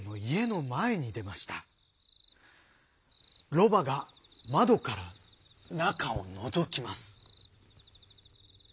ロバがまどからなかをのぞきます。